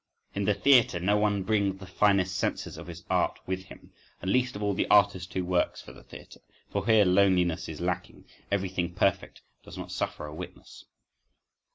In the theatre no one brings the finest senses of his art with him, and least of all the artist who works for the theatre,—for here loneliness is lacking; everything perfect does not suffer a witness.